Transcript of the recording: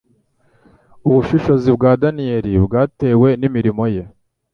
[Ubushishozi bwa Daniyeli bwatewe n’imirire ye